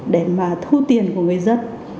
để mà thu tiền của người dân